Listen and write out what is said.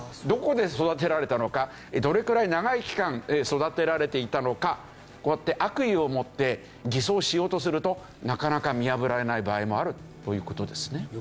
どこで育てられたのかどれくらい長い期間育てられていたのかこうやって悪意を持って偽装しようとするとなかなか見破られない場合もあるという事ですね。